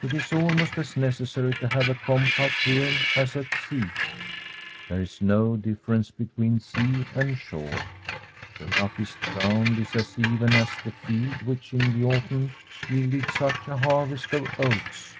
It is almost as necessary to have a compass here as at sea. There is no difference between sea and shore. The roughest ground is as even as the field which in the autumn yielded such a harvest [32Sl ¥fm a SfFEDISU HOMESTEAD of oats.